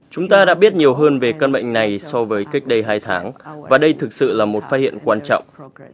chúng ta đã biết nhiều hơn về căn bệnh này so với cách đây hai tháng và đây thực sự là một phát hiện quan trọng